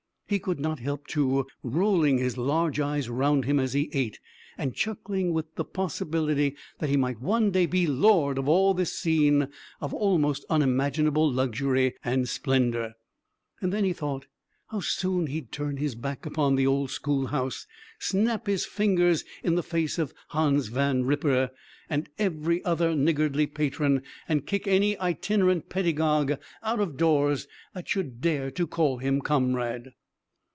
He could not help, too, rolling his large eyes round him as he ate, and chuckling with the possibility that he might one day be lord of all this scene of almost unimaginable luxury and splendor. Then, he thought, how soon he'd turn his back upon the old schoolhouse; snap his fingers in the face of Hans Van Ripper, and every other niggardly patron, and kick any itinerant pedagogue out of doors that should dare to call him comrade!